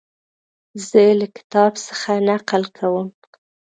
زه له کتاب څخه نقل کوم.